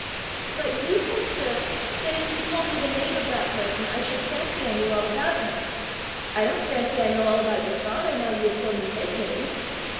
"But you said, sir, that if you told me the name of that person, I should fancy I knew all about him: I don't fancy I know all about your father now you have told me his name!"